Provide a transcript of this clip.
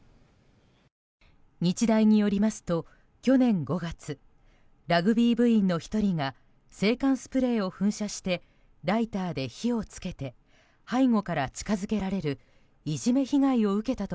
日大によりますと去年５月ラグビー部員の１人が制汗スプレーを噴射してライターで火をつけて背後から近づけられるいじめ被害を受けたと